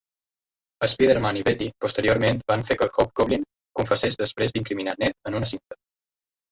Spiderman i Betty posteriorment van fer que Hobgoblin confessés després d'incriminar Ned en una cinta.